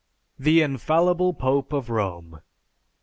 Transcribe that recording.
The infallible pope of Rome!